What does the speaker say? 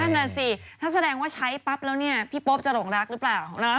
นั่นน่ะสิถ้าแสดงว่าใช้ปั๊บแล้วเนี่ยพี่โป๊ปจะหลงรักหรือเปล่านะ